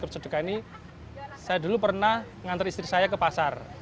saya dulu pernah mengantar istri saya ke pasar